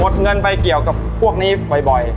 เงินไปเกี่ยวกับพวกนี้บ่อย